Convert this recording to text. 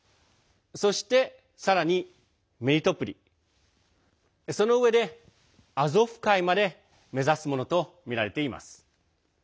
そして、さらにメリトポリそのうえでアゾフ海まで目指すものとみられています。